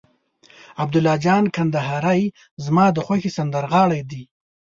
عبیدالله جان کندهاری زما د خوښې سندرغاړی دي.